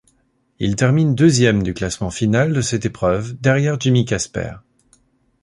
Il termine deuxième du classement final de cette épreuve derrière Jimmy Casper.